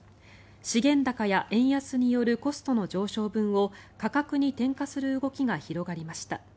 資源高や円安によるコストの上昇分を価格に転嫁する動きが広がりました。